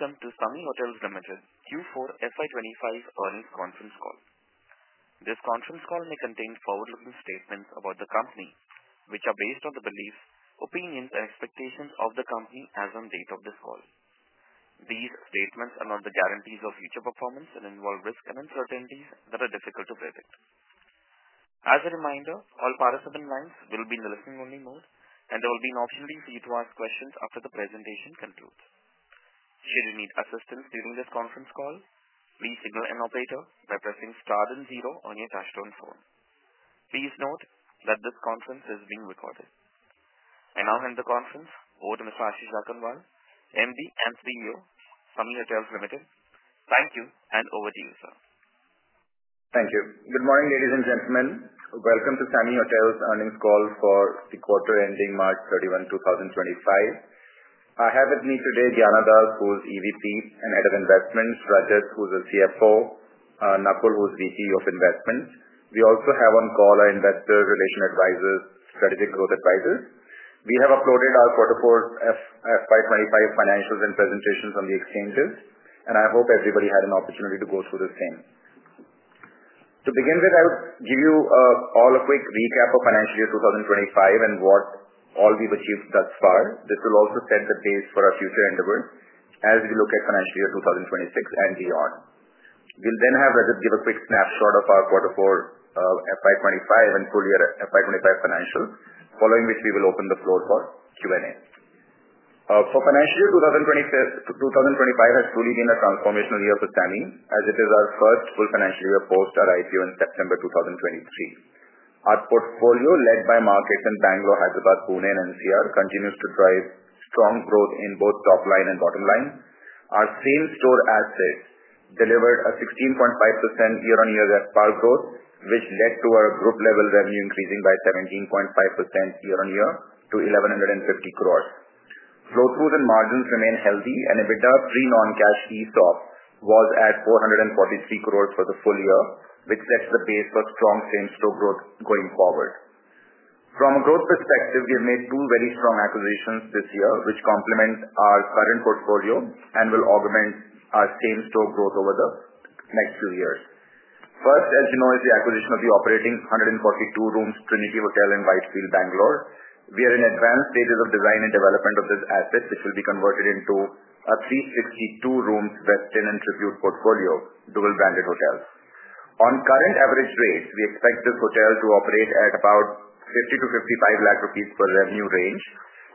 Welcome to SAMHI Hotels Limited, Q4 FY25 earnings conference call. This conference call may contain forward-looking statements about the company, which are based on the beliefs, opinions, and expectations of the company as of the date of this call. These statements are not the guarantees of future performance and involve risks and uncertainties that are difficult to predict. As a reminder, all participant lines will be in the listening-only mode, and there will be an option for you to ask questions after the presentation concludes. Should you need assistance during this conference call, please signal an operator by pressing * then zero on your touch-tone phone. Please note that this conference is being recorded. I now hand the conference over to Mr. Ashish Jakhanwala, MD and CEO of SAMHI Hotels Limited. Thank you, and over to you, sir. Thank you. Good morning, ladies and gentlemen. Welcome to SAMHI Hotels' earnings call for the quarter ending March 31, 2025. I have with me today Gyanadas, who is EVP and Head of Investments; Rajat, who is CFO; and Nakul, who is VP of Investments. We also have on call our investor relation advisors, Strategic Growth Advisors. We have uploaded our quarter-four FY25 financials and presentations on the exchanges, and I hope everybody had an opportunity to go through the same. To begin with, I would give you all a quick recap of financial year 2025 and what all we've achieved thus far. This will also set the base for our future endeavors as we look at financial year 2026 and beyond. We'll then have Rajat give a quick snapshot of our quarter-four FY25 and full year FY25 financials, following which we will open the floor for Q&A. Financial year 2025 has truly been a transformational year for SAMHI, as it is our first full financial year post our IPO in September 2023. Our portfolio, led by markets in Bangalore, Hyderabad, Pune, and NCR, continues to drive strong growth in both top line and bottom line. Our same-store assets delivered a 16.5% year-on-year RevPAR growth, which led to our group-level revenue increasing by 17.5% year-on-year to 1,150 crore. Flow-throughs and margins remain healthy, and EBITDA pre-non-cash ESOP was at 443 crore for the full year, which sets the base for strong same-store growth going forward. From a growth perspective, we have made two very strong acquisitions this year, which complement our current portfolio and will augment our same-store growth over the next few years. First, as you know, is the acquisition of the operating 142-room Trinity Hotel in Whitefield, Bangalore. We are in advanced stages of design and development of this asset, which will be converted into a 362-room Westin and Tribute Portfolio, dual-branded hotels. On current average rates, we expect this hotel to operate at about 5 million-5.5 million rupees per revenue range,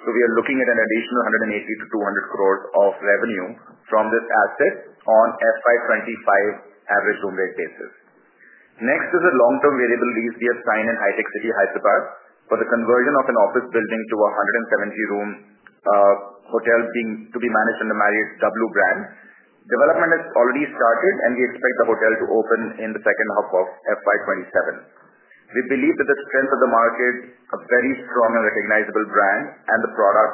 so we are looking at an additional 1.8 billion-2 billion of revenue from this asset on FY2025 average room rate basis. Next is a long-term variable lease we have signed in Hitech City, Hyderabad, for the conversion of an office building to a 170-room hotel to be managed under Marriott W Brand. Development has already started, and we expect the hotel to open in the second half of FY2027. We believe that the strength of the market, a very strong and recognizable brand, and the product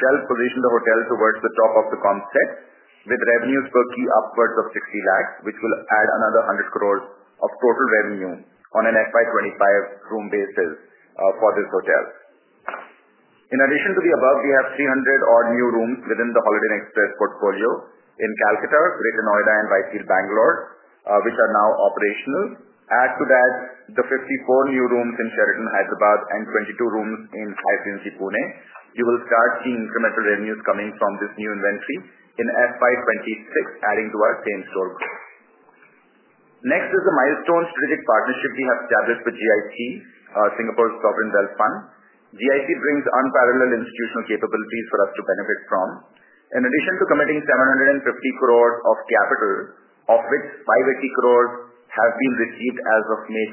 shall position the hotel towards the top of the comp set, with revenues per key upwards of 6 million, which will add another 1 billion of total revenue on an FY2025 room basis for this hotel. In addition to the above, we have 300 odd new rooms within the Holiday Inn Express portfolio in Kolkata, Rithima, and Whitefield, Bangalore, which are now operational. Add to that the 54 new rooms in Sheraton, Hyderabad, and 22 rooms in Hyphen, Pune. You will start seeing incremental revenues coming from this new inventory in FY2026, adding to our same-store growth. Next is a milestone strategic partnership we have established with GIC, Singapore's Sovereign Wealth Fund. GIC brings unparalleled institutional capabilities for us to benefit from. In addition to committing 750 crore of capital, of which 580 crore have been received as of May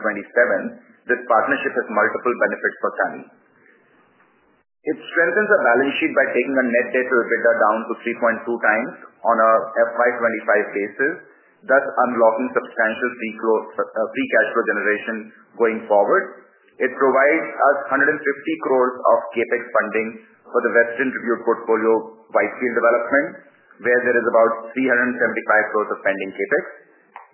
27, this partnership has multiple benefits for SAMHI. It strengthens our balance sheet by taking our net debt to EBITDA down to 3.2 times on a FY2025 basis, thus unlocking substantial pre-cash flow generation going forward. It provides us 150 crore of CapEx funding for the Westin Tribute portfolio Whitefield development, where there is about 375 crore of pending CapEx.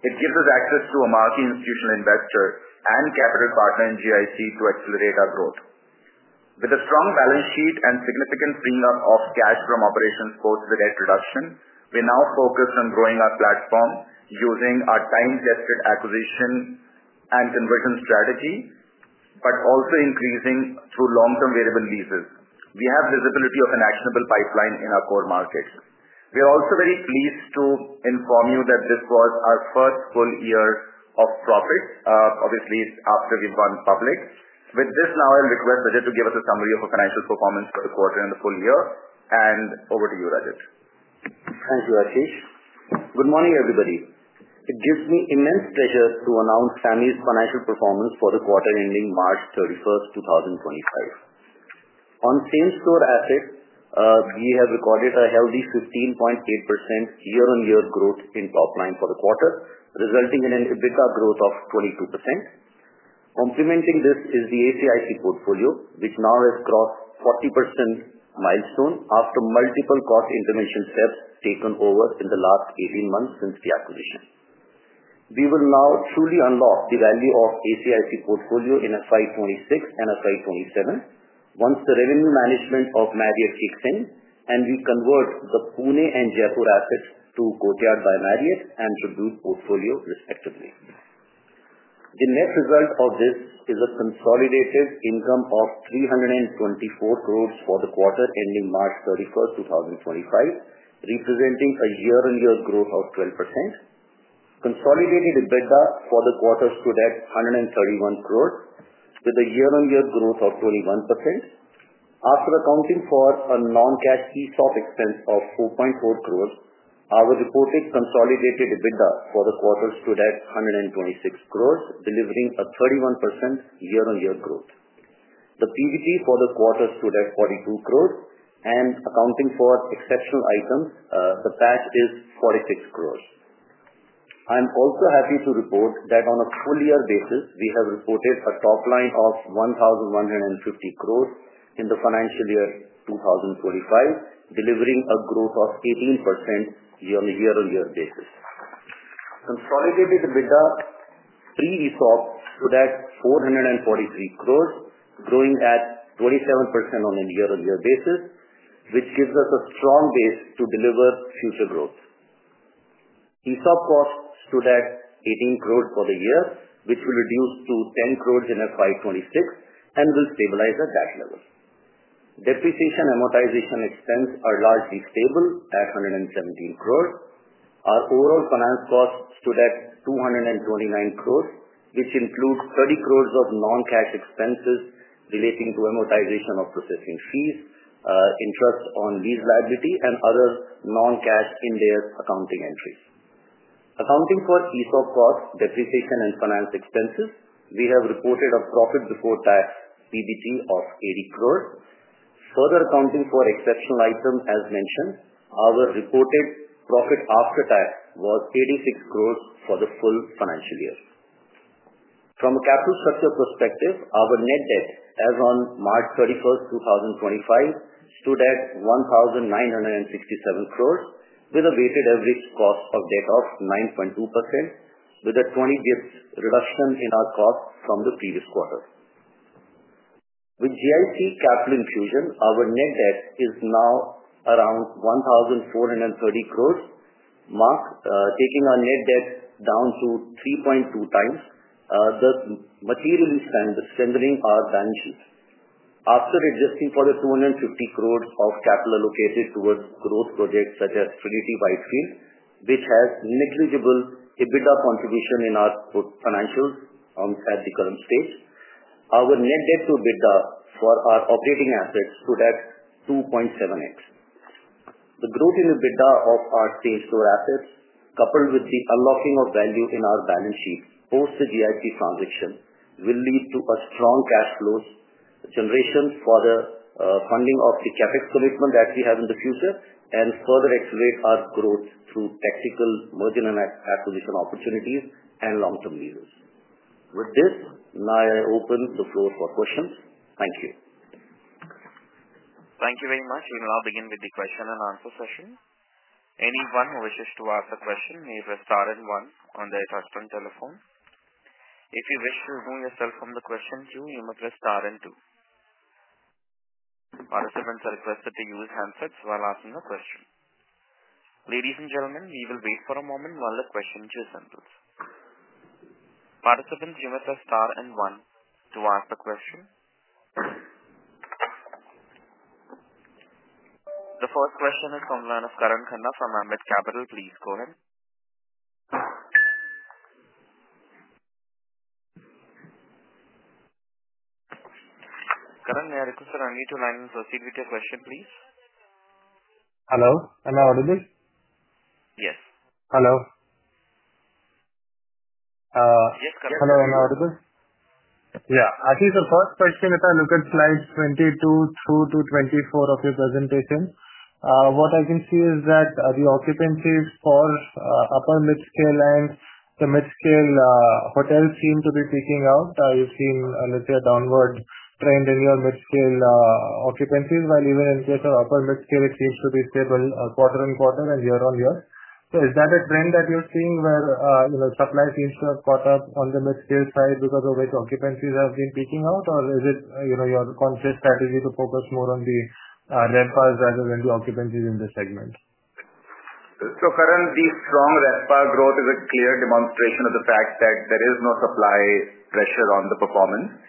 It gives us access to a marquee institutional investor and capital partner in GIC to accelerate our growth. With a strong balance sheet and significant freeing up of cash from operations post the debt reduction, we're now focused on growing our platform using our time-tested acquisition and conversion strategy, but also increasing through long-term variable leases. We have visibility of an actionable pipeline in our core markets. We are also very pleased to inform you that this was our first full year of profit, obviously after we've gone public. With this, now I'll request Rajat to give us a summary of our financial performance for the quarter and the full year, and over to you, Rajat. Thank you, Ashish. Good morning, everybody. It gives me immense pleasure to announce SAMHI's financial performance for the quarter ending March 31, 2025. On same-store assets, we have recorded a healthy 15.8% year-on-year growth in top line for the quarter, resulting in an EBITDA growth of 22%. Complementing this is the ACIC portfolio, which now has crossed the 40% milestone after multiple cost intervention steps taken over in the last 18 months since the acquisition. We will now truly unlock the value of the ACIC portfolio in FY2026 and FY2027 once the revenue management of Marriott kicks in, and we convert the Pune and Jaipur assets to Courtyard by Marriott and Tribute Portfolio, respectively. The net result of this is a consolidated income of 324 crore for the quarter ending March 31, 2025, representing a year-on-year growth of 12%. Consolidated EBITDA for the quarter stood at 131 crore, with a year-on-year growth of 21%. After accounting for a non-cash ESOP expense of 4.4 crore, our reported consolidated EBITDA for the quarter stood at 126 crore, delivering a 31% year-on-year growth. The PBT for the quarter stood at 42 crore, and accounting for exceptional items, the PAT is 46 crore. I'm also happy to report that on a full year basis, we have reported a top line of 1,150 crore in the financial year 2025, delivering a growth of 18% year-on-year basis. Consolidated EBITDA pre-ESOP stood at 443 crore, growing at 27% on a year-on-year basis, which gives us a strong base to deliver future growth. ESOP cost stood at 18 crore for the year, which will reduce to 10 crore in FY26 and will stabilize at that level. Depreciation amortization expense are largely stable at 117 crore. Our overall finance cost stood at 229 crore, which includes 30 crore of non-cash expenses relating to amortization of processing fees, interest on lease liability, and other non-cash in their accounting entries. Accounting for ESOP cost, depreciation, and finance expenses, we have reported a profit before tax PBT of 80 crore. Further accounting for exceptional items, as mentioned, our reported profit after tax was 86 crore for the full financial year. From a capital structure perspective, our net debt as on March 31, 2025, stood at 1,967 crore, with a weighted average cost of debt of 9.2%, with a 20 basis point reduction in our cost from the previous quarter. With GIC capital infusion, our net debt is now around 1,430 crore, taking our net debt down to 3.2 times, thus materially strengthening our balance sheet. After adjusting for the 250 crore of capital allocated towards growth projects such as Trinity Whitefield, which has negligible EBITDA contribution in our financials at the current stage, our net debt to EBITDA for our operating assets stood at 2.7x. The growth in EBITDA of our same-store assets, coupled with the unlocking of value in our balance sheet post the GIC transition, will lead to strong cash flows generation for the funding of the CapEx commitment that we have in the future and further accelerate our growth through technical merger and acquisition opportunities and long-term leases. With this, now I open the floor for questions. Thank you. Thank you very much. We will now begin with the question and answer session. Anyone who wishes to ask a question may press * and one on the touch-tone telephone. If you wish to remove yourself from the question queue, you may press * and two. Participants are requested to use handsets while asking a question. Ladies and gentlemen, we will wait for a moment while the question queue settles. Participants, you may press * and one to ask a question. The first question is from the line of Karan Kannan from Ambit Capital. Please go ahead. Karan, may I request you to unmute your line and proceed with your question, please? Hello. Am I audible? Yes. Hello. Yes, Karan. Hello. Am I audible? Yeah. Ashish, the first question, if I look at slides 22 through 24 of your presentation, what I can see is that the occupancies for upper mid-scale and the mid-scale hotels seem to be peaking out. You've seen a downward trend in your mid-scale occupancies, while even in case of upper mid-scale, it seems to be stable quarter on quarter and year on year. Is that a trend that you're seeing where supply seems to have caught up on the mid-scale side because of which occupancies have been peaking out, or is it your conscious strategy to focus more on the RevPARs rather than the occupancies in the segment? Karan, the strong RevPAR growth is a clear demonstration of the fact that there is no supply pressure on the performance.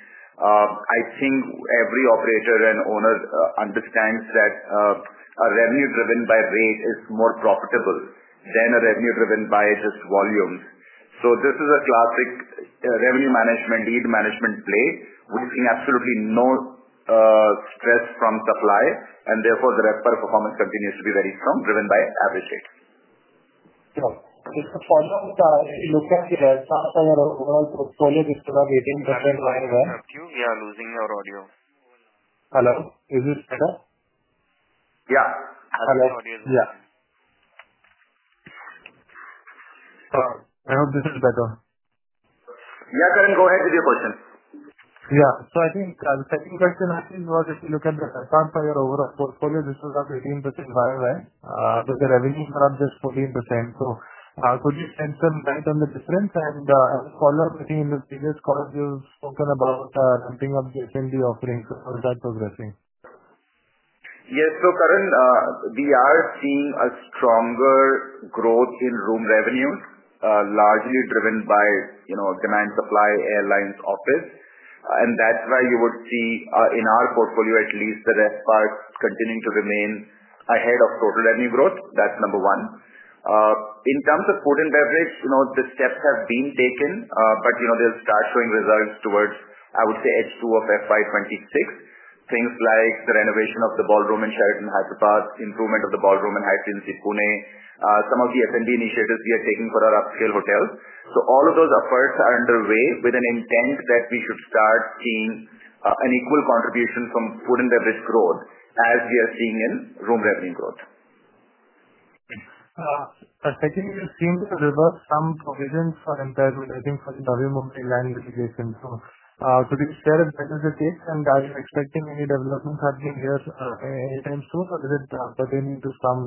I think every operator and owner understands that a revenue driven by rate is more profitable than a revenue driven by just volumes. This is a classic revenue management, lead management play with absolutely no stress from supply, and therefore the RevPAR performance continues to be very strong, driven by average rate. Yeah. If the product looked at your RevPAR and your overall portfolio, this is a 18% running well. You are losing your audio. Hello? Is this better? Yeah. Hello? I hope this is better. Yeah, Karan, go ahead with your question. Yeah. I think the second question, Ashish, was if you look at the RevPAR and your overall portfolio, this was up 18% while, well, the revenues are up just 14%. Could you sense a light on the difference? As a follow-up, I think in the previous calls, you've spoken about ramping up the SMB offerings. How is that progressing? Yes. Karan, we are seeing a stronger growth in room revenues, largely driven by demand-supply, airlines, office. That is why you would see in our portfolio, at least the RevPARs continuing to remain ahead of total revenue growth. That is number one. In terms of food and beverage, the steps have been taken, but they will start showing results towards, I would say, H2 of FY2026, things like the renovation of the ballroom in Sheraton Hyderabad, improvement of the ballroom in Hyatt Pune, some of the F&B initiatives we are taking for our upscale hotels. All of those efforts are underway with an intent that we should start seeing an equal contribution from food and beverage growth as we are seeing in room revenue growth. I think we have seen some reverse, some provisions for employees, and I think for the W Mumbai line litigation. Could you share if that is the case, and are you expecting any developments at the year time soon, or does it pertain into some,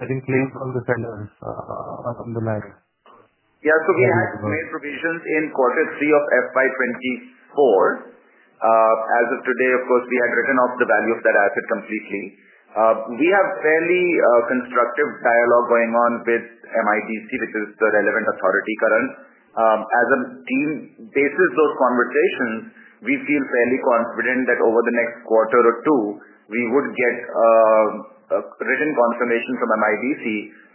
I think, claims from the sellers along the line? Yeah. We had made provisions in quarter three of FY 2024. As of today, of course, we had written off the value of that asset completely. We have fairly constructive dialogue going on with MIDC, which is the relevant authority, Karan. As a team, based on those conversations, we feel fairly confident that over the next quarter or two, we would get a written confirmation from MIDC,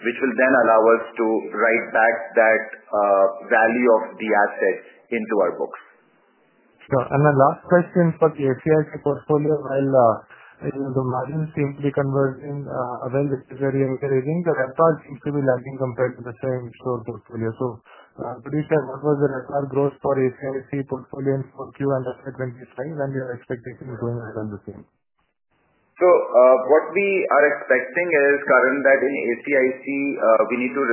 which will then allow us to write back that value of the asset into our books. Sure. My last question for the ACIC portfolio, while the margins seem to be converging well, which is very encouraging, the RevPARs seem to be lagging compared to the same-store portfolio. Could you share what was the RevPAR growth for the ACIC portfolio in Q1 and FY2025, and your expectation is going to remain the same? What we are expecting is, Karan, that in ACIC, we need to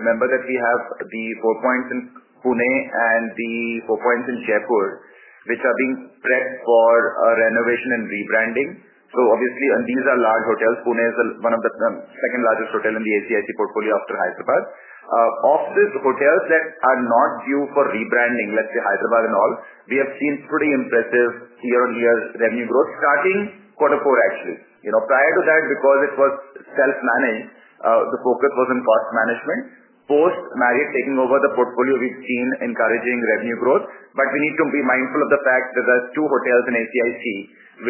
remember that we have the Four Points in Pune and the Four Points in Jaipur, which are being prepped for renovation and rebranding. Obviously, and these are large hotels. Pune is one of the second largest hotels in the ACIC portfolio after Hyderabad. Of these hotels that are not due for rebranding, let's say Hyderabad and all, we have seen pretty impressive year-on-year revenue growth starting quarter four, actually. Prior to that, because it was self-managed, the focus was on cost management. Post Marriott taking over the portfolio, we've seen encouraging revenue growth, but we need to be mindful of the fact that there are two hotels in ACIC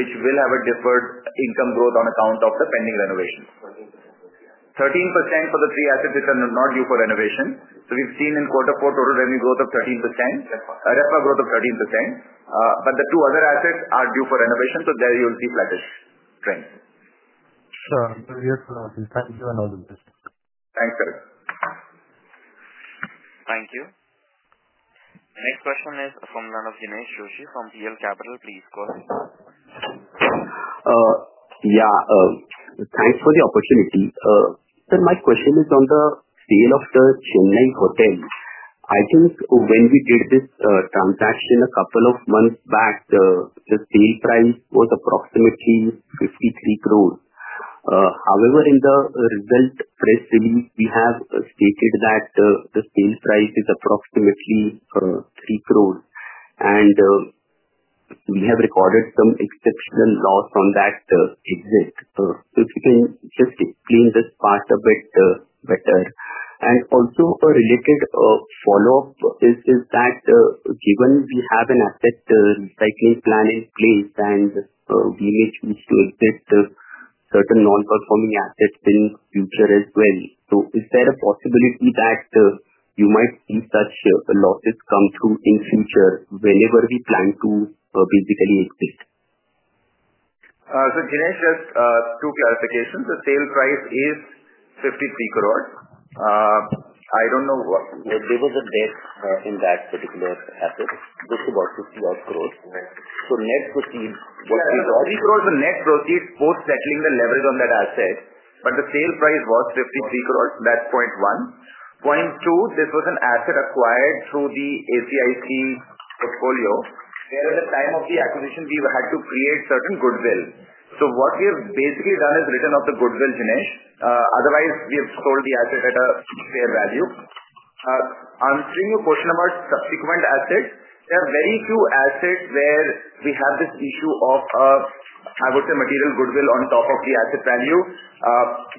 which will have a deferred income growth on account of the pending renovation. 13% for the three assets which are not due for renovation. We've seen in quarter four total revenue growth of 13%, RevPAR growth of 13%, but the two other assets are due for renovation, so there you'll see flattish trends. Sure. Yes, Ashish. Thank you and all the best. Thanks, Karan. Thank you. Next question is from JInesh Joshi from PL Capital. Please go ahead. Yeah. Thanks for the opportunity. My question is on the sale of the Chennai hotel. I think when we did this transaction a couple of months back, the sale price was approximately 53 crore. However, in the result press release, we have stated that the sale price is approximately 3 crore, and we have recorded some exceptional loss on that exit. If you can just explain this part a bit better. Also, a related follow-up is that given we have an asset recycling plan in place, and we may choose to exit certain non-performing assets in future as well, is there a possibility that you might see such losses come through in future whenever we plan to basically exit? Jinesh, just two clarifications. The sale price is 53 crore. I do not know what There was a debt in that particular asset, just about 50-odd crore. Net proceeds, what we got? Yeah, 53 crore is the net proceeds post settling the leverage on that asset, but the sale price was 53 crore. That is point one. Point two, this was an asset acquired through the ACIC portfolio, where at the time of the acquisition, we had to create certain goodwill. What we have basically done is written off the goodwill, Jinesh. Otherwise, we have sold the asset at a fair value. Answering your question about subsequent assets, there are very few assets where we have this issue of, I would say, material goodwill on top of the asset value.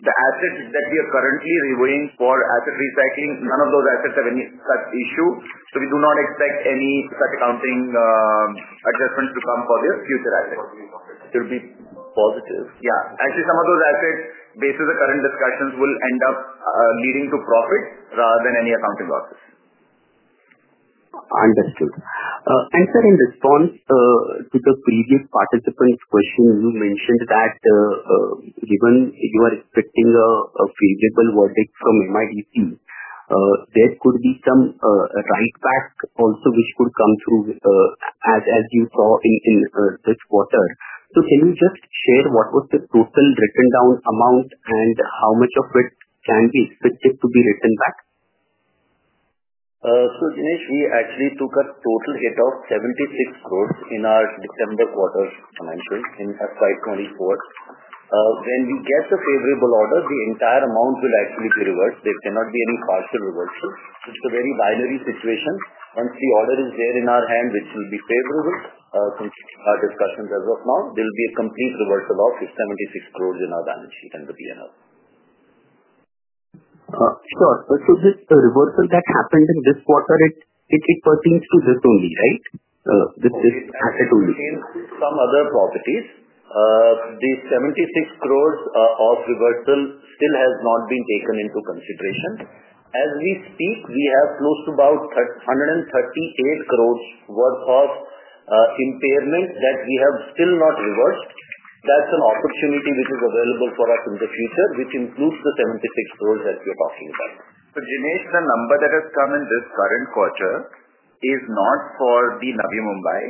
The assets that we are currently reviewing for asset recycling, none of those assets have any such issue. We do not expect any such accounting adjustments to come for this future asset. It will be positive. Yeah. Actually, some of those assets, based on the current discussions, will end up leading to profit rather than any accounting losses. Understood. Sir, in response to the previous participant's question, you mentioned that given you are expecting a favorable verdict from MIDC, there could be some write-back also which could come through, as you saw in this quarter. Can you just share what was the total written down amount and how much of it can be expected to be written back? Jinesh, we actually took a total hit of 76 crore in our December quarter financial in FY 2024. When we get the favorable order, the entire amount will actually be reversed. There cannot be any partial reversal. It is a very binary situation. Once the order is there in our hand, which will be favorable, since our discussions as of now, there will be a complete reversal of 76 crore in our balance sheet and the P&L. Sure. This reversal that happened in this quarter, it pertains to this only, right? This asset only? It pertains to some other properties. The 76 crore of reversal still has not been taken into consideration. As we speak, we have close to about 138 crore worth of impairment that we have still not reversed. That's an opportunity which is available for us in the future, which includes the 76 crore that you're talking about. Jinesh, the number that has come in this current quarter is not for the Navi Mumbai.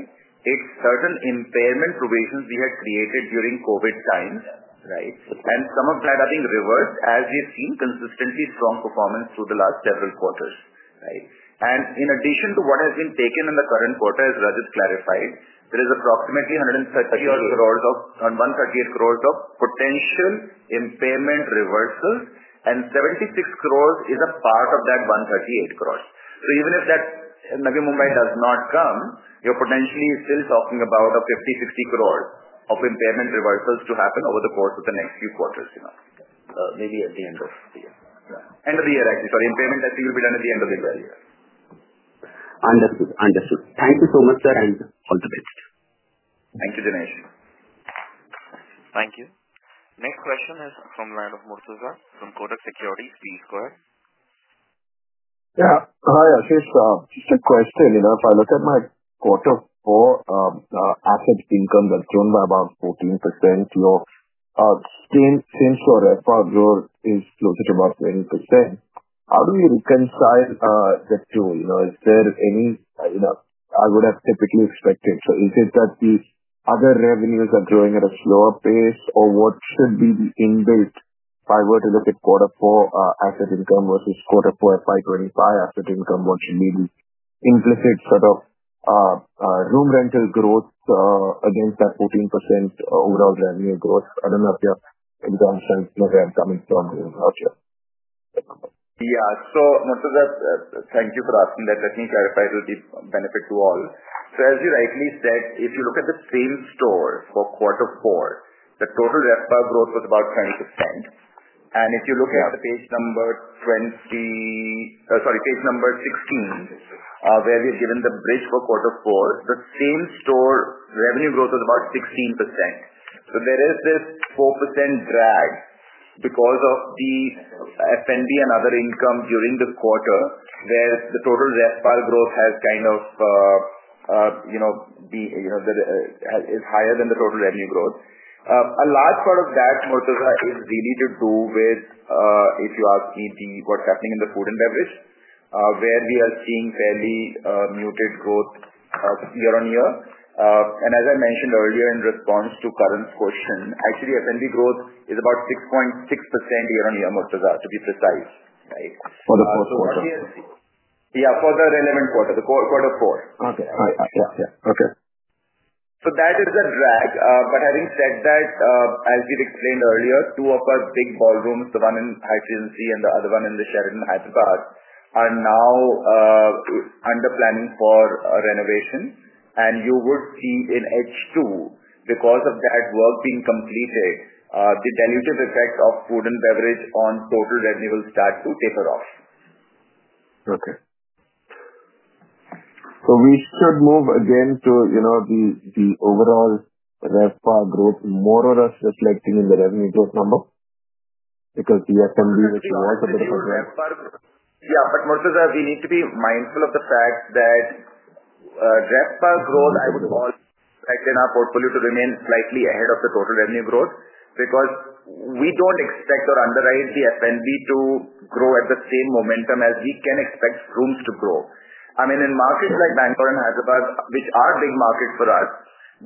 It's certain impairment provisions we had created during COVID times, right? Some of that, I think, reversed as we've seen consistently strong performance through the last several quarters, right? In addition to what has been taken in the current quarter, as Rajat clarified, there is approximately 138 crore of potential impairment reversals, and 76 crore is a part of that 138 crore. Even if that Navi Mumbai does not come, you're potentially still talking about 50-60 crores of impairment reversals to happen over the course of the next few quarters. Maybe at the end of the year. End of the year, actually. Sorry. Impairment actually will be done at the end of the year. Understood. Thank you so much, sir, and all the best. Thank you, Jinesh. Thank you. Next question is from the line of Murtuza from Kotak Securities. Please go ahead. Yeah. Hi, Ashish. Just a question. If I look at my quarter four asset income, that's grown by about 14%. Since your RevPAR growth is closer to about 20%, how do we reconcile the two? Is there any—I would have typically expected? Is it that the other revenues are growing at a slower pace, or what should be the inbuilt—if I were to look at quarter four asset income versus quarter four FY2025 asset income, what should be the implicit sort of room rental growth against that 14% overall revenue growth? I don't know if your exam sense—maybe I'm coming from out here. Yeah. Murtuza, thank you for asking that. Let me clarify to the benefit to all. As you rightly said, if you look at the same store for quarter four, the total RevPAR growth was about 20%. If you look at page number 20, sorry, page number 16, where we've given the bridge for quarter four, the same store revenue growth was about 16%. There is this 4% drag because of the F&B and other income during the quarter, where the total RevPAR growth is higher than the total revenue growth. A large part of that, Murtuza, is really to do with, if you ask me, what's happening in the food and beverage, where we are seeing fairly muted growth year-on-year. As I mentioned earlier in response to Karan's question, actually, F&B growth is about 6.6% year-on-year, Murtuza, to be precise, right? For the fourth quarter. Yeah, for the relevant quarter, the quarter four. Okay. Yeah. Okay. That is a drag. However, as we've explained earlier, two of our big ballrooms, the one in Hyphen C and the other one in the Sheraton Hyderabad, are now under planning for renovation. You would see in H2, because of that work being completed, the dilutive effect of food and beverage on total revenue will start to taper off. Okay. So we should move again to the overall RevPAR growth more or less reflecting in the revenue growth number? Because the F&B, which was a bit of a drag. Yeah. Murtuza, we need to be mindful of the fact that RevPAR growth, I would call that in our portfolio to remain slightly ahead of the total revenue growth because we do not expect or underwrite the F&B to grow at the same momentum as we can expect rooms to grow. I mean, in markets like Bangalore and Hyderabad, which are big markets for us,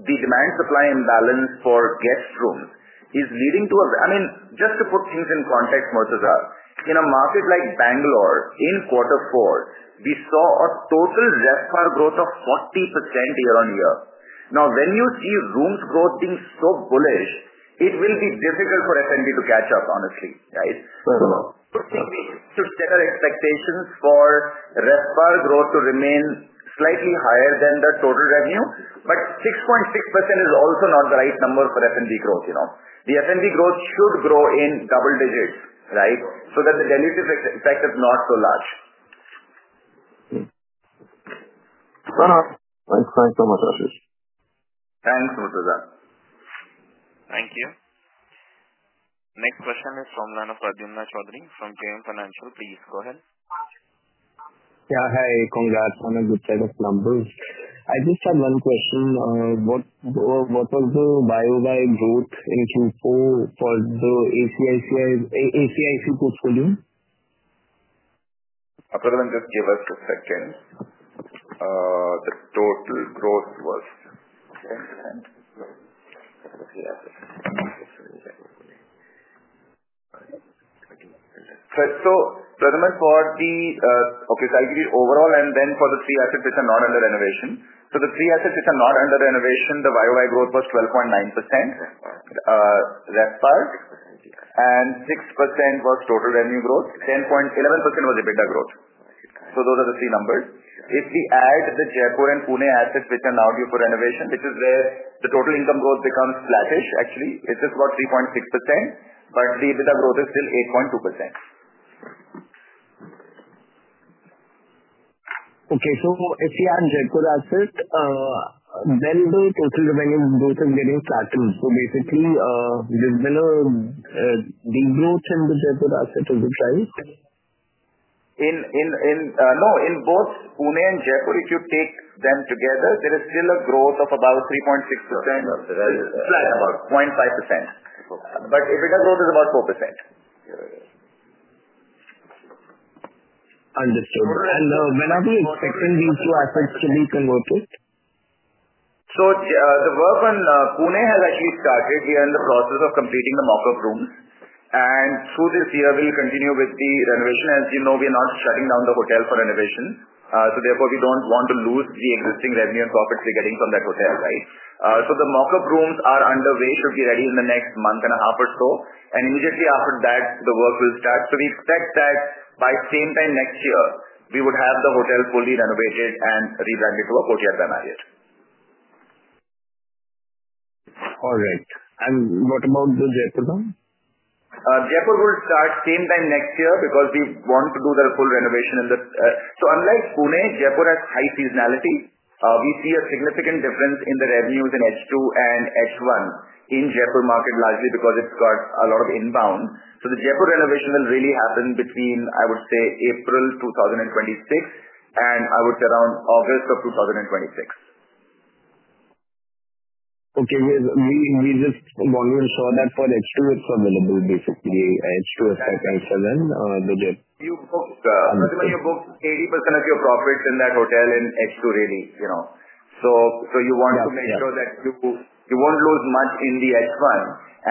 the demand-supply imbalance for guest rooms is leading to a, I mean, just to put things in context, Murtuza, in a market like Bangalore, in quarter four, we saw a total RevPAR growth of 40% year-on-year. Now, when you see rooms growth being so bullish, it will be difficult for F&B to catch up, honestly, right? I think we should set our expectations for RevPAR growth to remain slightly higher than the total revenue, but 6.6% is also not the right number for F&B growth. The F&B growth should grow in double digits, right, so that the dilutive effect is not so large. Fair enough. Thanks so much, Ashish. Thanks, Murtuza. Thank you. Next question is from the line of Pradyumna Choudhary from JM Financial. Please go ahead. Yeah. Hi. Congrats on a good set of numbers. I just had one question. What was the buy-by growth in Q4 for the ACIC portfolio? Just give us a second. The total growth was 10%. Okay, so I give you overall, and then for the three assets which are not under renovation. The three assets which are not under renovation, the year-by-year growth was 12.9% RevPAR, and 6% was total revenue growth. 11% was EBITDA growth. Those are the three numbers. If we add the Jaipur and Pune assets which are now due for renovation, which is where the total income growth becomes flattish, actually, it's just about 3.6%, but the EBITDA growth is still 8.2%. Okay. So if we add Jaipur asset, then the total revenue growth is getting flattened. So basically, there's been a degrowth in the Jaipur asset, is it right? No, in both Pune and Jaipur, if you take them together, there is still a growth of about 3.6%. It's flat, about 0.5%. EBITDA growth is about 4%. Understood. When are we expecting these two assets to be converted? The work on Pune has actually started. We are in the process of completing the mock-up rooms. Through this year, we'll continue with the renovation. As you know, we are not shutting down the hotel for renovation. Therefore, we do not want to lose the existing revenue and profits we are getting from that hotel, right? The mock-up rooms are underway, should be ready in the next month and a half or so. Immediately after that, the work will start. We expect that by the same time next year, we would have the hotel fully renovated and rebranded to a Courtyard venue here. All right. What about the Jaipur one? Jaipur will start same time next year because we want to do the full renovation in the so unlike Pune, Jaipur has high seasonality. We see a significant difference in the revenues in H2 and H1 in Jaipur market, largely because it's got a lot of inbound. The Jaipur renovation will really happen between, I would say, April 2026 and I would say around August of 2026. Okay. We just want to ensure that for H2, it's available basically. H2 is set right for them. Pradyumna, you booked 80% of your profits in that hotel in H2, really. You want to make sure that you will not lose much in H1.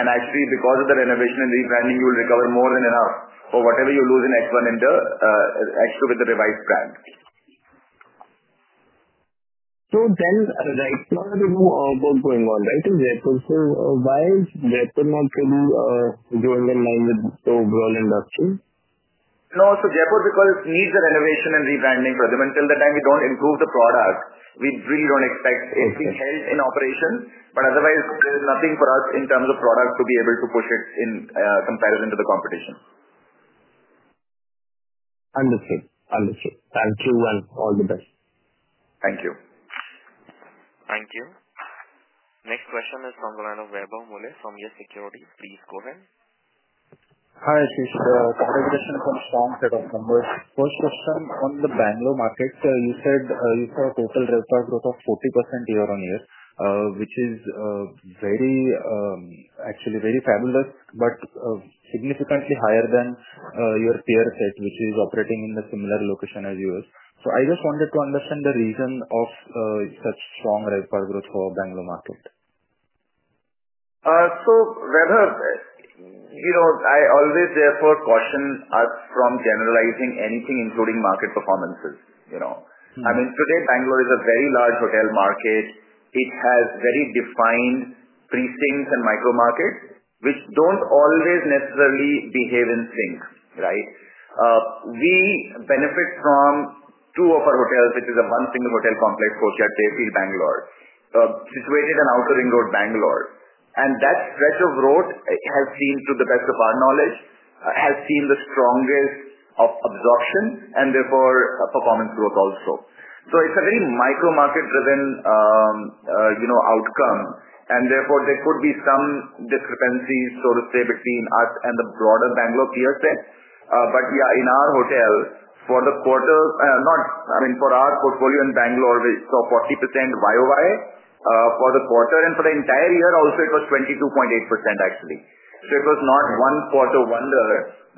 Actually, because of the renovation and rebranding, you will recover more than enough for whatever you lose in H1 in H2 with the revised brand. Right now, there's no work going on, right, in Jaipur? Why is Jaipur not really going in line with the overall industry? No. Jaipur, because it needs a renovation and rebranding for them, until that time, we do not improve the product. We really do not expect it to be held in operation. Otherwise, there is nothing for us in terms of product to be able to push it in comparison to the competition. Understood. Understood. Thank you and all the best. Thank you. Thank you. Next question is from the line of Vaibhav Muley from YES SECURITIES. Please go ahead. Hi, Ashish. Congratulations on a strong set of numbers. First question, on the Bangalore market, you said you saw a total RevPAR growth of 40% year-on-year, which is actually very fabulous but significantly higher than your peer set, which is operating in the similar location as yours. I just wanted to understand the reason of such strong RevPAR growth for Bangalore market. So Vaibhav, I always therefore caution us from generalizing anything, including market performances. I mean, today, Bangalore is a very large hotel market. It has very defined precincts and micro-markets which do not always necessarily behave in sync, right? We benefit from two of our hotels, which is a one-single hotel complex, Courtyard, JP, Bangalore, situated on Outer Ring Road, Bangalore. That stretch of road has seen, to the best of our knowledge, the strongest of absorption and therefore performance growth also. It is a very micro-market-driven outcome. Therefore, there could be some discrepancy, so to say, between us and the broader Bangalore peer set. Yeah, in our hotel, for the quarter—I mean, for our portfolio in Bangalore, we saw 40% year-over-year for the quarter. For the entire year also, it was 22.8%, actually. It was not a one quarter wonder.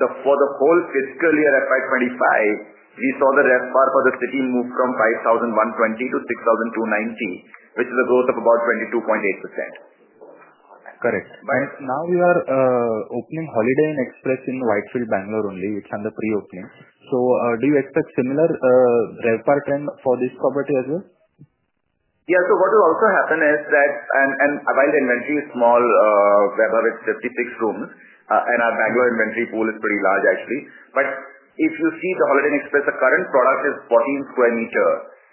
For the whole fiscal year 2025, we saw the RevPAR for the city move from 5,120 to 6,290, which is a growth of about 22.8%. Correct. Now we are opening Holiday Inn Express in Whitefield, Bangalore only, which is under pre-opening. So do you expect similar RevPAR trend for this property as well? Yeah. What will also happen is that while the inventory is small, Vehbha, with 56 rooms, and our Bangalore inventory pool is pretty large, actually. If you see the Holiday Inn Express, the current product is 14 sq m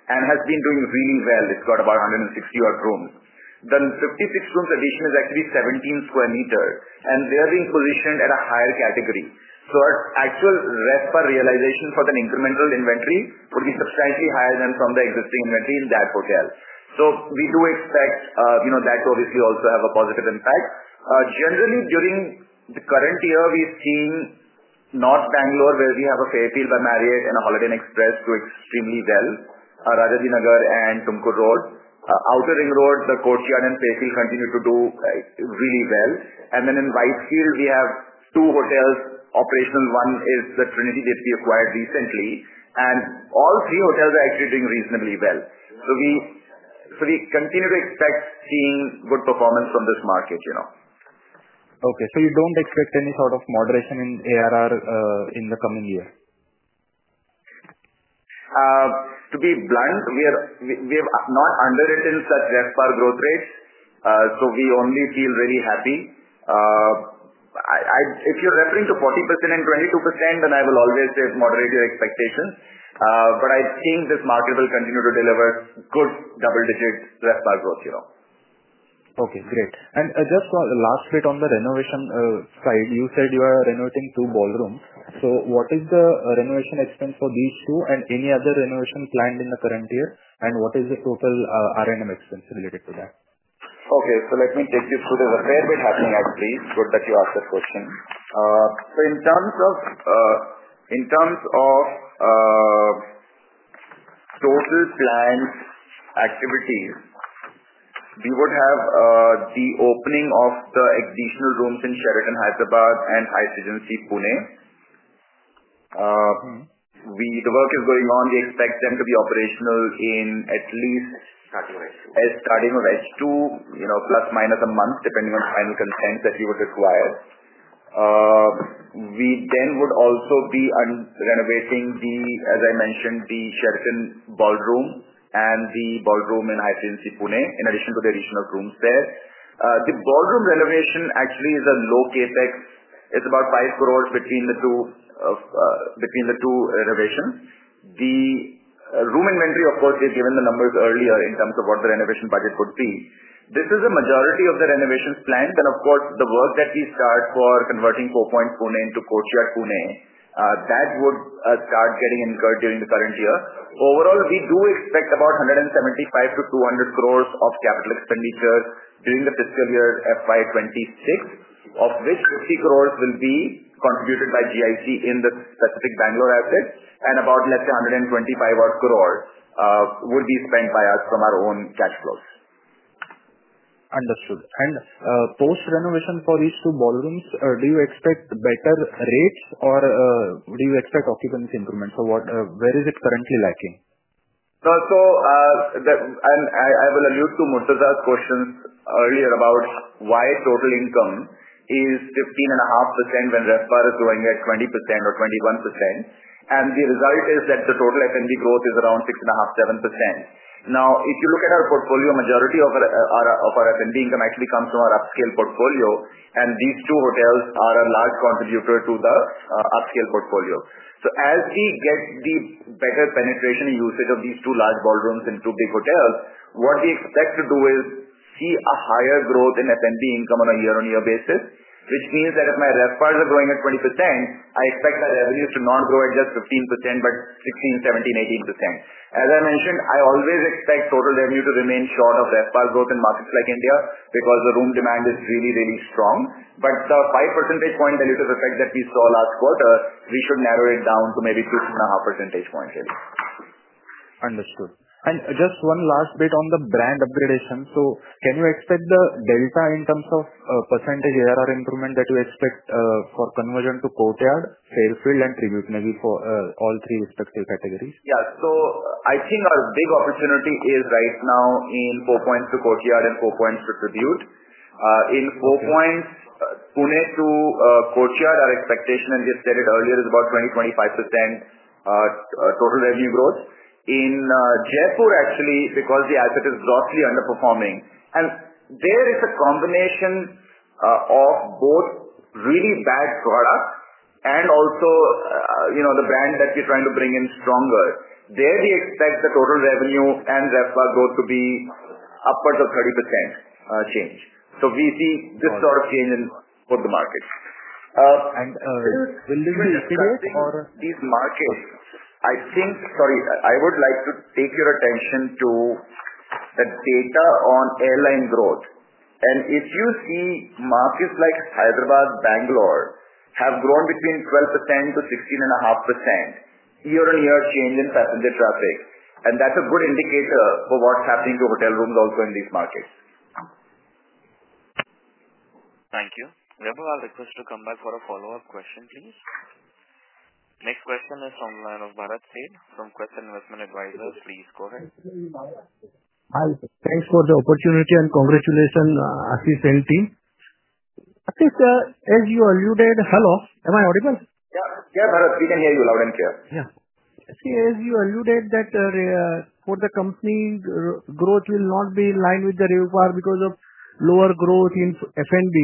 and has been doing really well. It has about 160-odd rooms. The 56-room addition is actually 17 sq m, and they are being positioned at a higher category. Actual RevPAR realization for the incremental inventory would be substantially higher than from the existing inventory in that hotel. We do expect that to obviously also have a positive impact. Generally, during the current year, we have seen North Bangalore, where we have a Fairfield by Marriott and a Holiday Inn Express, do extremely well, Rajajinagar and Tumkur Road. Outer Ring Road, the Courtyard and Fairfield continue to do really well. In Whitefield, we have two hotels operational. One is the Trinity that we acquired recently. All three hotels are actually doing reasonably well. We continue to expect seeing good performance from this market. Okay. So you don't expect any sort of moderation in ARR in the coming year? To be blunt, we have not underwritten such RevPAR growth rates. So we only feel really happy. If you're referring to 40% and 22%, then I will always say moderate your expectations. But I think this market will continue to deliver good double-digit RevPAR growth. Okay. Great. Just last bit on the renovation side, you said you are renovating two ballrooms. What is the renovation expense for these two and any other renovation planned in the current year? What is the total R&M expense related to that? Okay. Let me take you through, there's a fair bit happening at Bridge. Good that you asked that question. In terms of total planned activities, we would have the opening of the additional rooms in Sheraton Hyderabad and Hyphen C, Pune. The work is going on. We expect them to be operational at least starting of H2, plus or minus a month, depending on final consent that we would require. We then would also be renovating, as I mentioned, the Sheraton ballroom and the ballroom in Hyphen C, Pune, in addition to the additional rooms there. The ballroom renovation actually is a low CapEx. It is about 5 crore between the two renovations. The room inventory, of course, we've given the numbers earlier in terms of what the renovation budget would be. This is a majority of the renovations planned. Of course, the work that we start for converting Four Points into Courtyard Pune, that would start getting incurred during the current year. Overall, we do expect about 175-200 crore of capital expenditure during the fiscal year FY2026, of which 50 crore will be contributed by GIC in the specific Bangalore asset and about, let's say, 125-odd crore would be spent by us from our own cash flows. Understood. Post-renovation for these two ballrooms, do you expect better rates or do you expect occupancy increments? Where is it currently lacking? I will allude to Murtuza's questions earlier about why total income is 15.5% when RevPAR is growing at 20% or 21%. The result is that the total F&B growth is around 6.5%-7%. Now, if you look at our portfolio, majority of our F&B income actually comes from our upscale portfolio. These two hotels are a large contributor to the upscale portfolio. As we get the better penetration usage of these two large ballrooms into big hotels, what we expect to do is see a higher growth in F&B income on a year-on-year basis, which means that if my RevPARs are growing at 20%, I expect my revenues to not grow at just 15% but 16%-18%. As I mentioned, I always expect total revenue to remain short of RevPAR growth in markets like India because the room demand is really, really strong. The 5 percentage point deluge of effect that we saw last quarter, we should narrow it down to maybe 2.5 percentage points, really. Understood. And just one last bit on the brand upgradation. So can you expect the delta in terms of % ARR improvement that you expect for conversion to Courtyard, Fairfield, and Tribute Nakul for all three respective categories? Yeah. I think our big opportunity is right now in Four Points to Courtyard and Four Points to Tribute. In Four Points, Pune to Courtyard, our expectation, as you stated earlier, is about 20%-25% total revenue growth. In Jaipur, actually, because the asset is grossly underperforming, and there is a combination of both really bad product and also the brand that we're trying to bring in stronger, there we expect the total revenue and RevPAR growth to be upwards of 30% change. We see this sort of change in both the markets. Will this be estimated or these markets? I think, sorry, I would like to take your attention to the data on airline growth. If you see markets like Hyderabad, Bangalore have grown between 12% to 16.5% year-on-year change in passenger traffic. That is a good indicator for what is happening to hotel rooms also in these markets. Thank you. Vaibhav, I'll request you to come back for a follow-up question, please. Next question is from Bharat Sheth from Quest Investment Advisors. Please go ahead. Hi. Thanks for the opportunity and congratulations, Ashish and team. Ashish, as you alluded, hello. Am I audible? Yeah. Yeah, Bharat. We can hear you loud and clear. Yeah. Ashish, as you alluded that for the company, growth will not be in line with the RevPAR because of lower growth in F&B.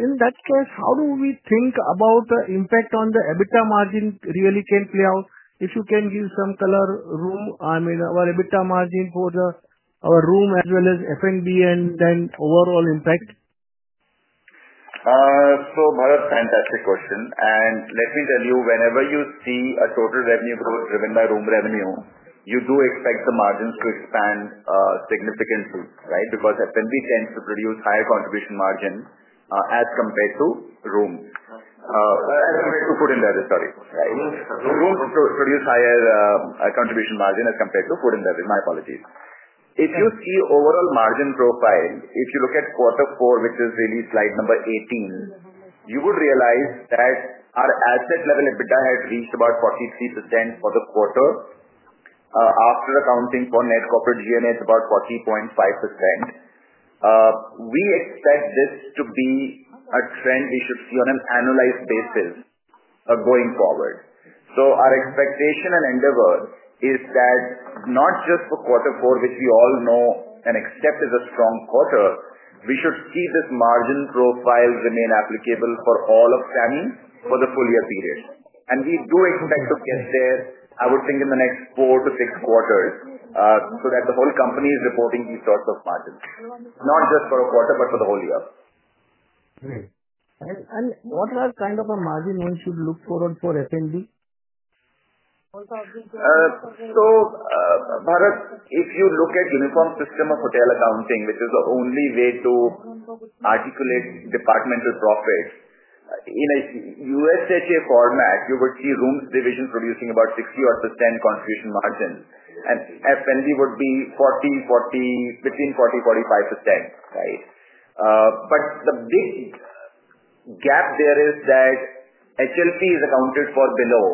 In that case, how do we think about the impact on the EBITDA margin really can play out if you can give some color room? I mean, our EBITDA margin for our room as well as F&B and then overall impact? Bharat, fantastic question. Let me tell you, whenever you see a total revenue growth driven by room revenue, you do expect the margins to expand significantly, right? Because F&B tends to produce higher contribution margin as compared to room, as compared to food and beverage, sorry. Rooms produce higher contribution margin as compared to food and beverage. My apologies. If you see overall margin profile, if you look at quarter four, which is really slide number 18, you would realize that our asset-level EBITDA had reached about 43% for the quarter. After accounting for net corporate G&A, about 40.5%. We expect this to be a trend we should see on an annualized basis going forward. Our expectation and endeavor is that not just for quarter four, which we all know and expect is a strong quarter, we should see this margin profile remain applicable for all of SAMHI for the full year period. We do expect to get there, I would think, in the next four to six quarters so that the whole company is reporting these sorts of margins, not just for a quarter but for the whole year. Great. What are kind of the margin we should look for for F&B? If you look at uniform system of hotel accounting, which is the only way to articulate departmental profit, in a USHA format, you would see rooms division producing about 60-odd % contribution margin. F&B would be between 40-45%, right? The big gap there is that HLP is accounted for below.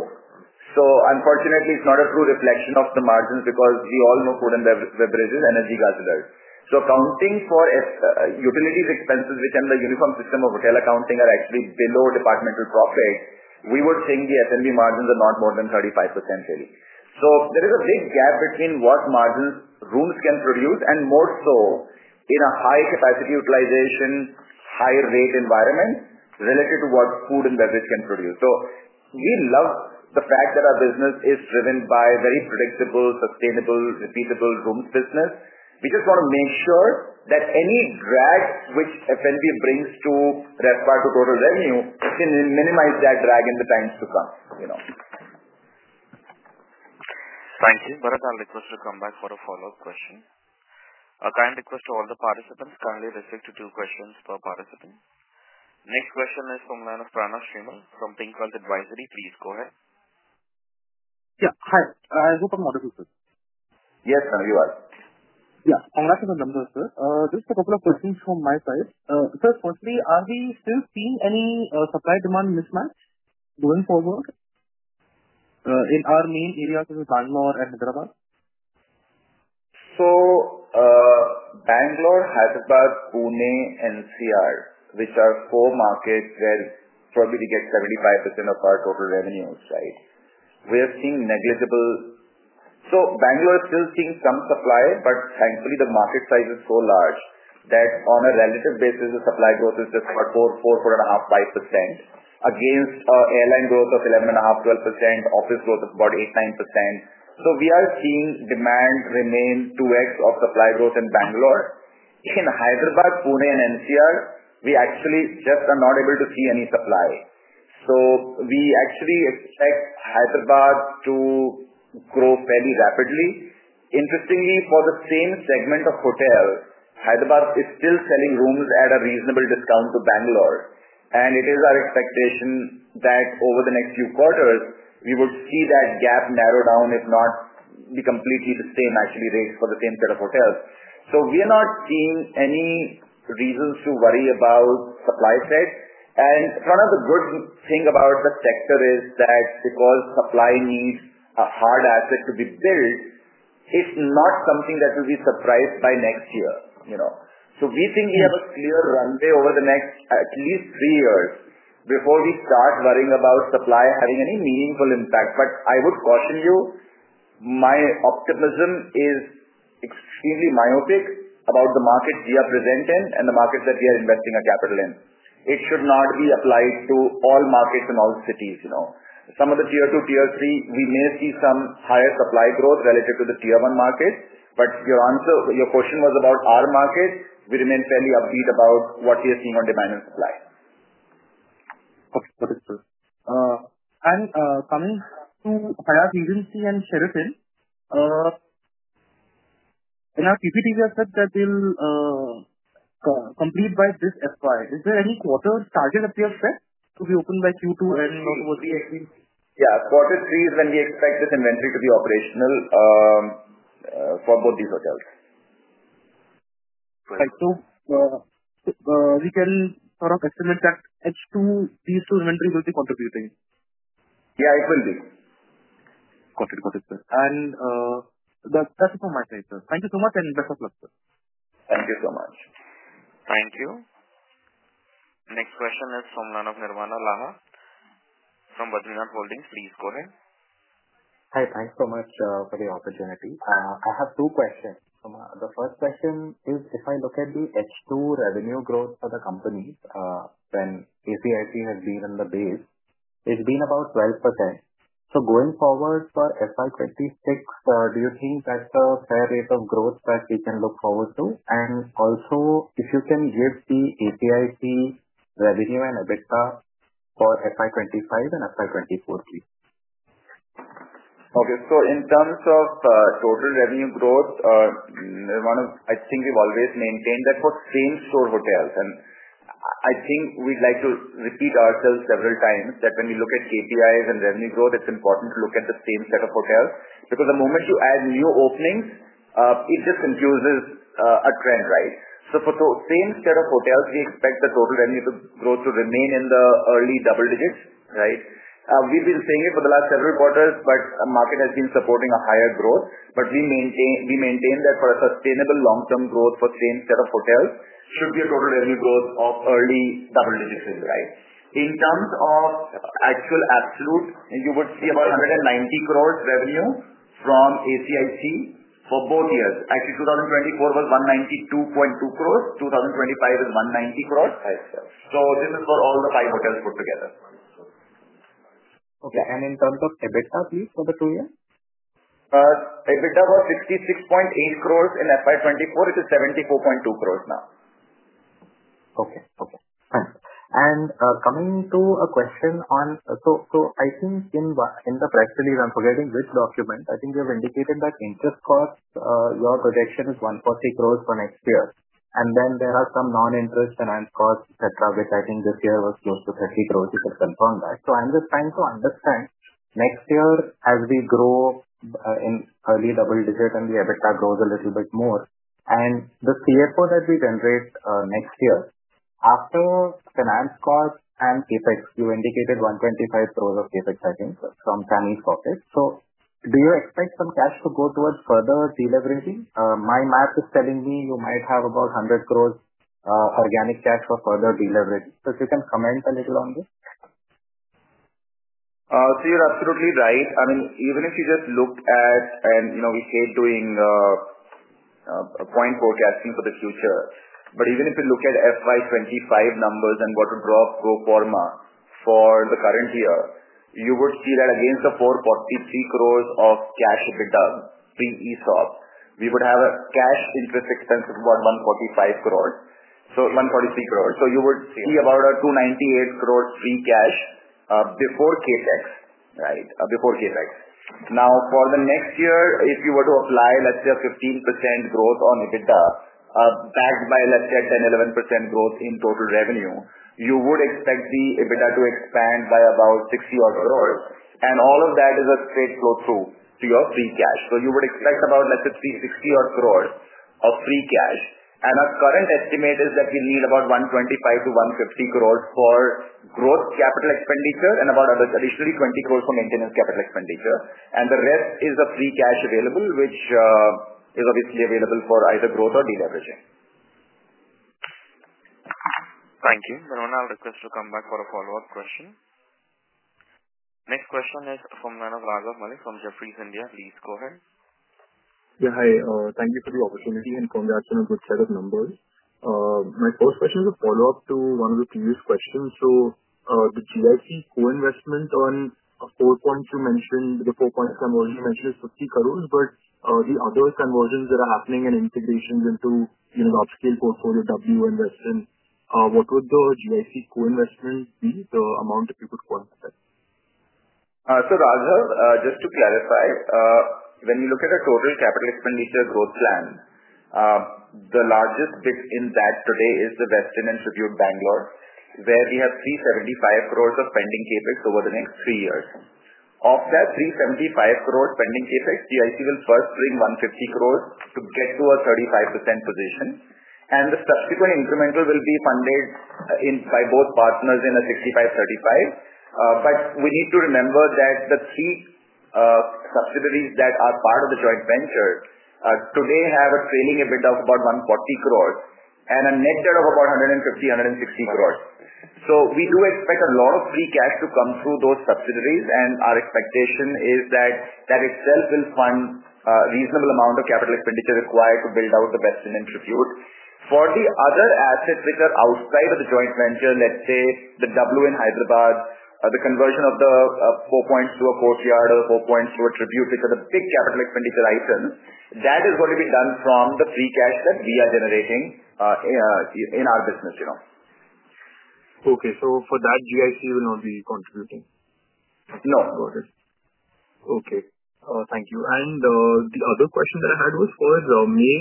Unfortunately, it's not a true reflection of the margins because we all know food and beverage is energy guzzlers. Accounting for utilities expenses, which under uniform system of hotel accounting are actually below departmental profit, we would think the F&B margins are not more than 35%, really. There is a big gap between what margins rooms can produce and more so in a high capacity utilization, high rate environment related to what food and beverage can produce. We love the fact that our business is driven by very predictable, sustainable, repeatable rooms business. We just want to make sure that any drag which F&B brings to RevPAR to total revenue can minimize that drag in the times to come. Thank you. Bharat, I'll request you to come back for a follow-up question. A kind request to all the participants. Kindly restrict to two questions per participant. Next question is from line of Pranav Shrimal from PINC Wealth Advisory. Please go ahead. Yeah. Hi. I hope I'm audible, sir. Yes, sir. You are. Yeah. Congrats on the numbers, sir. Just a couple of questions from my side. Firstly, are we still seeing any supply-demand mismatch going forward in our main areas of Bangalore and Hyderabad? Bangalore, Hyderabad, Pune, NCR, which are four markets where probably we get 75% of our total revenues, right? We are seeing negligible. Bangalore is still seeing some supply, but thankfully the market size is so large that on a relative basis, the supply growth is just about 4-5% against airline growth of 11.5-12%, office growth of about 8-9%. We are seeing demand remain 2X of supply growth in Bangalore. In Hyderabad, Pune, and NCR, we actually just are not able to see any supply. We actually expect Hyderabad to grow fairly rapidly. Interestingly, for the same segment of hotels, Hyderabad is still selling rooms at a reasonable discount to Bangalore. It is our expectation that over the next few quarters, we would see that gap narrow down, if not be completely the same, actually, rates for the same set of hotels. We are not seeing any reasons to worry about supply set. One of the good things about the sector is that because supply needs a hard asset to be built, it is not something that will be surprised by next year. We think we have a clear runway over the next at least three years before we start worrying about supply having any meaningful impact. I would caution you, my optimism is extremely myopic about the markets we are present in and the markets that we are investing our capital in. It should not be applied to all markets and all cities. Some of the tier two, tier three, we may see some higher supply growth related to the tier one market. Your question was about our market. We remain fairly upbeat about what we are seeing on demand and supply. Okay. Got it, sir. And coming to Hyatt Regency and Sheraton, and our PPTs have said that they'll complete by this FY. Is there any quarter target that they have set to be opened by Q2 and not over the FY? Yeah. Quarter three is when we expect this inventory to be operational for both these hotels. Right. So we can sort of estimate that H2, these two inventories will be contributing? Yeah, it will be. Got it. Got it, sir. That is it from my side, sir. Thank you so much and best of luck, sir. Thank you so much. Thank you. Next question is from Nirvana Laha from Badrinath Holdings. Please go ahead. Hi. Thanks so much for the opportunity. I have two questions. The first question is, if I look at the H2 revenue growth for the company when ACIC has been in the base, it's been about 12%. Going forward for FY 2026, do you think that's a fair rate of growth that we can look forward to? Also, if you can give the ACIC revenue and EBITDA for FY 2025 and FY 2024, please. Okay. In terms of total revenue growth, Nirvana, I think we've always maintained that for same-store hotels. I think we'd like to repeat ourselves several times that when we look at KPIs and revenue growth, it's important to look at the same set of hotels because the moment you add new openings, it just infuses a trend, right? For the same set of hotels, we expect the total revenue growth to remain in the early double digits, right? We've been saying it for the last several quarters, but the market has been supporting a higher growth. We maintain that for a sustainable long-term growth for the same set of hotels, it should be a total revenue growth of early double digits, right? In terms of actual absolute, you would see about 190 crore revenue from ACIC for both years. Actually, 2024 was 192.2 crore. 2025 is 190 crore. This is for all the five hotels put together. Okay. In terms of EBITDA, please, for the two years? EBITDA was 66.8 crore in FY 2024. It is 74.2 crore now. Okay. Okay. Thanks. Coming to a question on, I think in the press release, I'm forgetting which document, I think you have indicated that interest cost, your projection is 140 crore for next year. Then there are some non-interest finance costs, etc., which I think this year was close to INR 30 crore. You should confirm that. I'm just trying to understand next year as we grow in early double digit and the EBITDA grows a little bit more. The CFO that we generate next year, after finance costs and CapEx, you indicated 125 crore of CapEx, I think, from SAMHI's pocket. Do you expect some cash to go towards further deleveraging? My math is telling me you might have about 100 crore organic cash for further deleveraging. If you can comment a little on this. You're absolutely right. I mean, even if you just look at, and we hate doing point forecasting for the future, even if you look at FY 2025 numbers and what would drop pro forma for the current year, you would see that against the 443 crore of cash EBITDA pre-ESOP, we would have a cash interest expense of about 145 crore, so 143 crore. You would see about 298 crore free cash before CapEx, right? Before CapEx. Now, for the next year, if you were to apply, let's say, a 15% growth on EBITDA backed by, let's say, a 10-11% growth in total revenue, you would expect the EBITDA to expand by about 60-odd crore. All of that is a straight flow through to your free cash. You would expect about, let's say, 60-odd crore of free cash. Our current estimate is that we'll need about 125-150 crore for growth capital expenditure and about additionally 20 crore for maintenance capital expenditure. The rest is the free cash available, which is obviously available for either growth or deleveraging. Thank you. Nirvana, I'll request you to come back for a follow-up question. Next question is from Raghav Malik from Jefferies India. Please go ahead. Yeah. Hi. Thank you for the opportunity and congrats on a good set of numbers. My first question is a follow-up to one of the previous questions. The GIC co-investment on 4.2 mentioned, the 4.2 conversion you mentioned is 50 crore, but the other conversions that are happening and integrations into the upscale portfolio W and Westin, what would the GIC co-investment be, the amount if you could quantify? Raghav, just to clarify, when we look at a total capital expenditure growth plan, the largest bit in that today is the Westin and Tribute Bangalore, where we have 375 crore of pending CapEx over the next three years. Of that 375 crore pending CapEx, GIC will first bring 150 crore to get to a 35% position. The subsequent incremental will be funded by both partners in a 65-35. We need to remember that the three subsidiaries that are part of the joint venture today have a trailing EBITDA of about 140 crore and a net debt of about 150-160 crore. We do expect a lot of free cash to come through those subsidiaries, and our expectation is that that itself will fund a reasonable amount of capital expenditure required to build out the Westin and Tribute. For the other assets which are outside of the joint venture, let's say the W in Hyderabad, the conversion of the 4.2 of Courtyard or 4.2 of Tribute, which are the big capital expenditure items, that is going to be done from the free cash that we are generating in our business. Okay. So for that, GIC will not be contributing? No. Got it. Okay. Thank you. The other question that I had was for May,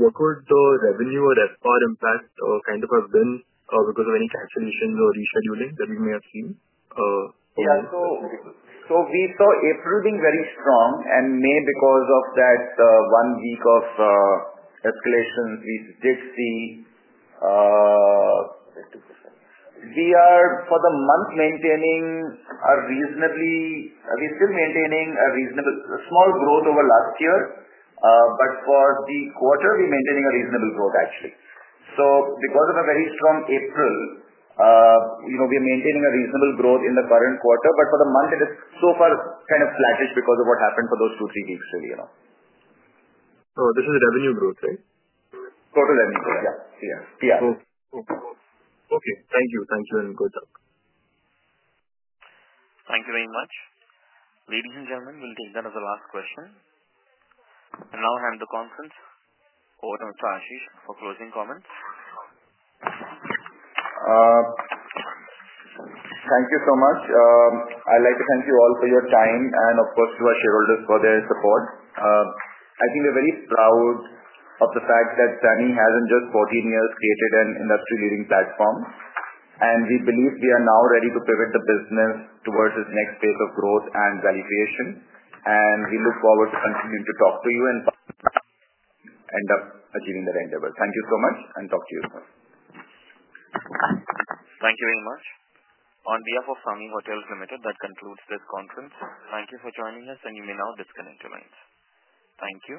what would the revenue or FR impact kind of have been because of any calculations or rescheduling that we may have seen? Yeah. So we saw April being very strong, and May, because of that one week of escalation, we did see we are, for the month, maintaining a reasonably we're still maintaining a reasonable small growth over last year, but for the quarter, we're maintaining a reasonable growth, actually. Because of a very strong April, we are maintaining a reasonable growth in the current quarter, but for the month, it is so far kind of flattish because of what happened for those two, three weeks, really. This is revenue growth, right? Total revenue growth. Yeah. Okay. Okay. Thank you. Thank you. Good luck. Thank you very much. Ladies and gentlemen, we'll take that as the last question. I now hand the conference over to Ashish for closing comments. Thank you so much. I'd like to thank you all for your time and, of course, to our shareholders for their support. I think we're very proud of the fact that SAMHI has in just 14 years created an industry-leading platform, and we believe we are now ready to pivot the business towards its next phase of growth and value creation. We look forward to continuing to talk to you and end up achieving that end goal. Thank you so much, and talk to you soon. Thank you very much. On behalf of SAMHI Hotels Limited, that concludes this conference. Thank you for joining us, and you may now disconnect your lines. Thank you.